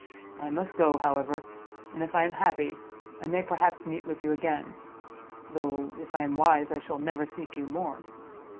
I must go, however; and if I am happy, I may perhaps meet with you again, though, if I am wise, I shall never seek you more!"